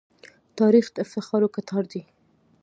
تاریخ د افتخارو کتار دی.